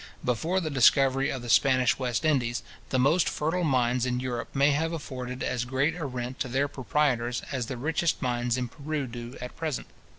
Before the discovery of the Spanish West Indies, the most fertile mines in Europe may have afforded as great a rent to their proprietors as the richest mines in Peru do at present.